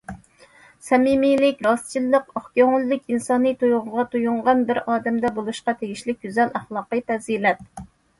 سەمىمىيلىك، راستچىللىق، ئاق كۆڭۈللۈك ئىنسانىي تۇيغۇغا تويۇنغان بىر ئادەمدە بولۇشقا تېگىشلىك گۈزەل ئەخلاقىي پەزىلەت.